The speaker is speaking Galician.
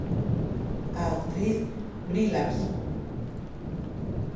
A actriz Brie Larson.